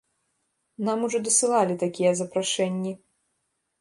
Нам ужо дасылалі такія запрашэнні.